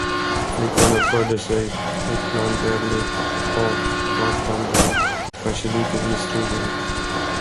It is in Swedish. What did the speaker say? Flickan uppförde sig oklanderligt, avvaktande, kanske litet misstrogen.